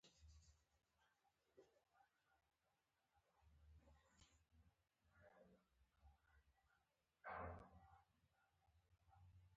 کتاب د بېلابېلو عمر ګروپونو ستونزې تشریح کوي.